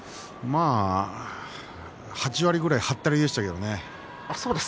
８割ぐらいはったりでしたけどね。